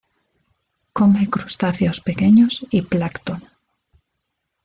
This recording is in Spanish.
Come crustáceos pequeños y plancton.